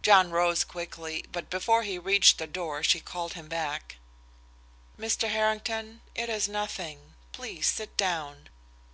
John rose quickly, but before he reached the door she called him back. "Mr. Harrington, it is nothing. Please sit down."